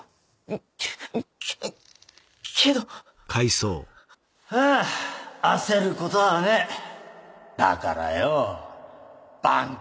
けけけどまぁ焦ることはねぇだからよ晩来